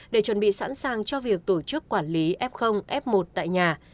để chuẩn bị sẵn sàng cho việc tổ chức quản lý f f một tại nhà